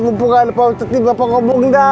bapak gak ada apa apa ketika bapak ngomong enggak